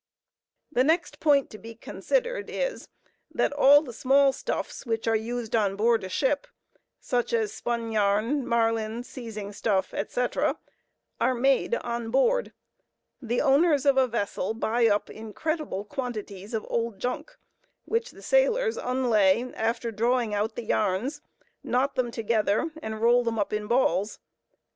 The next point to be considered is, that all the "small stuffs" which are used on board a ship—such as spun yarn, marline, seizing stuff, etc.—are made on board. The owners of a vessel buy up incredible quantities of "old junk," which the sailors unlay after drawing out the yarns, knot them together and roll them up in balls.